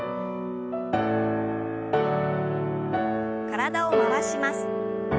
体を回します。